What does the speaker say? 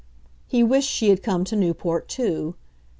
He wished she had come to Newport too.